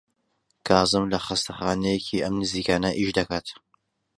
کازم لە خەستەخانەیەکی ئەم نزیکانە ئیش دەکات.